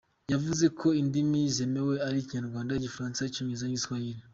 Yavuze ko Indimi zemewe ari Ikinyarwanda, Igifaransa, icyongereza n’Igiswahili.